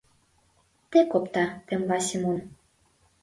Тек опта, — темла Семон.